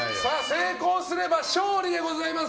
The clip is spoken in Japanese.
成功すれば勝利でございます。